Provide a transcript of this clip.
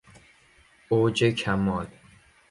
اوج کمال